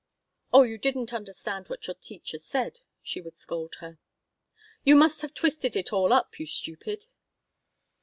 "Oh, you didn't understand what your teacher said," she would scold her. "You must have twisted it all up, you stupid."